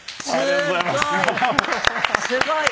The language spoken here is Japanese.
すごい。